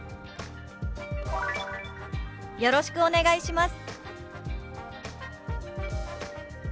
「よろしくお願いします」。